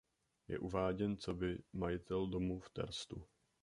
Je uváděn coby majitel domu v Terstu.